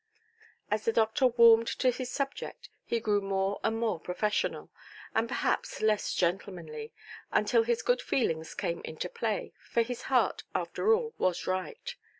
As the doctor warmed to his subject, he grew more and more professional, and perhaps less gentlemanly, until his good feelings came into play, for his heart, after all, was right.